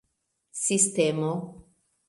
sistemo